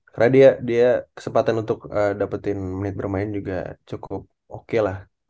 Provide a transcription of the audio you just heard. karena dia kesempatan untuk dapetin menit bermain juga cukup oke lah